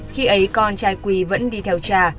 khi ấy con trai quy vẫn đi theo cha